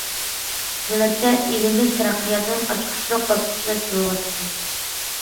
نۆۋەتتە، ئېلىمىز تەرەققىياتنىڭ ئاچقۇچلۇق باسقۇچىدا تۇرۇۋاتىدۇ.